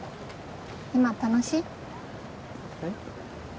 今楽しい？えっ？